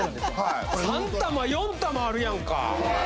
３玉４玉あるやんか。